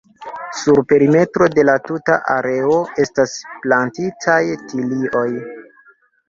Sur perimetro de la tuta areo estas plantitaj tilioj.